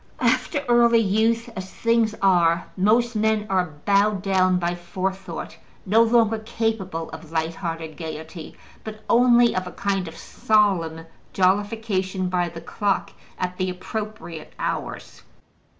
After early youth, as things are, most men are bowed down by forethought, no longer capable of light hearted gaiety, but only of a kind of solemn jollification by the clock at the appropriate hours.